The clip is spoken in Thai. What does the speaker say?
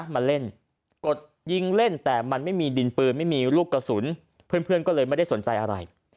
มาเล่นกดยิงเล่นแต่มันไม่มีดินปืนไม่มีลูกกระสุนเพื่อนก็เลยไม่ได้สนใจอะไร